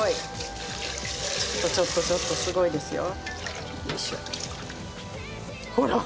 ちょっとちょっとちょっとすごいですよ。